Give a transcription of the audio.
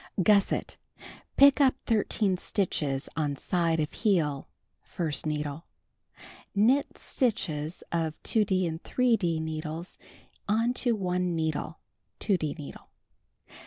Gusset : Pick up 13 stitches on side of heel. (1st needle.) Knit stitches of 2d and 3d needles onto one needle. (2d needle.)